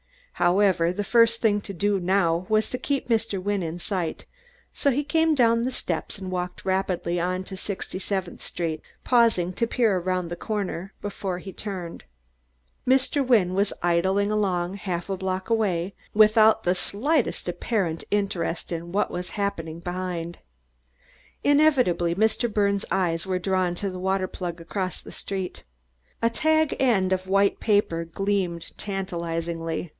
However, the first thing to do now was to keep Mr. Wynne in sight, so he came down the steps and walked rapidly on to Sixty seventh Street, pausing to peer around the corner before he turned. Mr. Wynne was idling along, half a block away, without the slightest apparent interest in what was happening behind. Inevitably Mr. Birnes' eyes were drawn to the water plug across the street. A tag end of white paper gleamed tantalizingly.